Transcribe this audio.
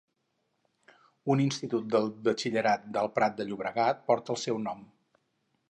Un institut de batxillerat del Prat de Llobregat porta el seu nom.